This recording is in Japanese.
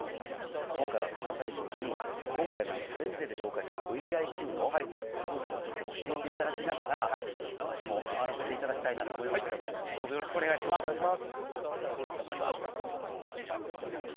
今回は金谷プロにチャレンジデーでご紹介しているゴルフクラブを使ってちょっと教えていただきながら、私も回らせていただきたいなと思いますのでどうぞよろしくお願いいたします、頑張ります！